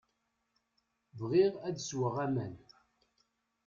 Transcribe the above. Bɣiɣ ad sweɣ aman.